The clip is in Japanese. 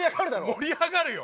盛り上がるよ。